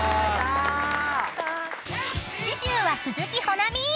［次週は鈴木保奈美］